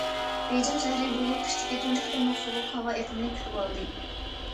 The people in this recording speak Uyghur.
بېيجىڭ شەھىرى بۇ يىل قىشتىكى تۇنجى قېتىملىق سوغۇق ھاۋا ئېقىمنى كۈتۈۋالدى.